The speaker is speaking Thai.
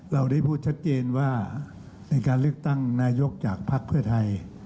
เราได้พูดชัดเจนว่าในการเลือกตั้งนายกจากภักดิ์เพื่อไทย